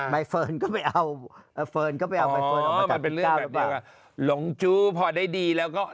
มัยเฟิร์นก็ไปเอา